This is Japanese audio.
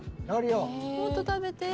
もっと食べて。